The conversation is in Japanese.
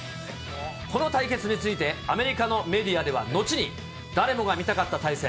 この対決について、アメリカのメディアではのちに、誰もが見たかった対戦。